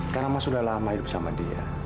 karena mas sudah lama hidup sama dia